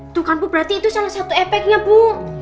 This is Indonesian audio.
itu kan bu berarti itu salah satu efeknya bu